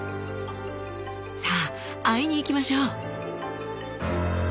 さあ会いに行きましょう。